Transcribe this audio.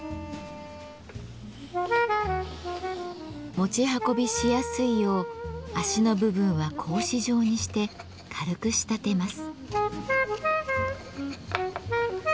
持ち運びしやすいよう脚の部分は格子状にして軽く仕立てます。